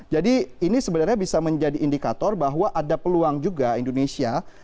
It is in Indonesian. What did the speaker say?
jadi ini sebenarnya bisa menjadi indikator bahwa ada peluang juga indonesia